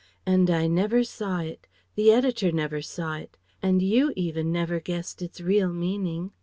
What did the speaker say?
And I never saw it, the Editor never saw it, and you, even, never guessed its real meaning!